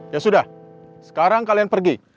ya sudah sekarang kalian pergi